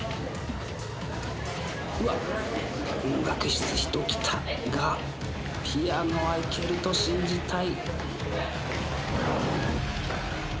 うわっ音楽室に人来たがピアノはいけると信じたい。